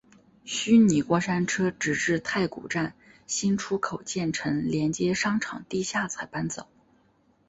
虚拟过山车直至太古站新出口建成连接商场地下才搬走。